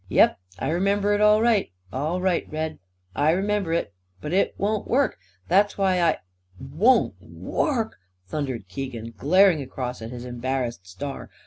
"Yep. I remember it all right, all right, Red. I remember it. But it won't work. That's why I " "Won't work?" thundered Keegan, glaring across at his embarrassed star.